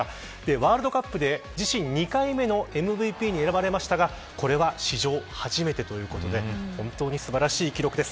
ワールドカップで自身２回目のＭＶＰに選ばれましたがこれは史上初めてということで本当に素晴らしい記録です。